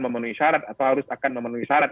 memenuhi syarat atau harus akan memenuhi syarat